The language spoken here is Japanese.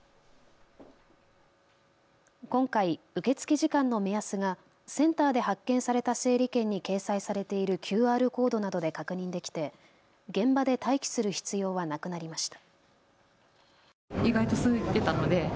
今回、受け付け時間の目安がセンターで発券された整理券に掲載されているＱＲコードなどで確認できて現場で待機する必要はなくなりました。